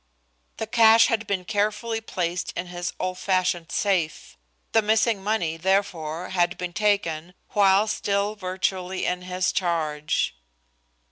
The cash had been carefully placed in his old fashioned safe; the missing money, therefore, had been taken while still virtually in his charge.